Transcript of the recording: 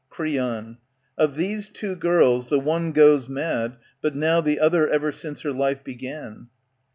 ^^ Creon, Of these two girls, the one goes mad but now, The other ever since her life began.